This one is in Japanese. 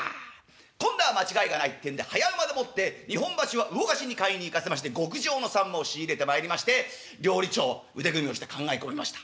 今度は間違いがないってんで早馬でもって日本橋は魚河岸に買いに行かせまして極上のさんまを仕入れてまいりまして料理長腕組みをして考え込みました。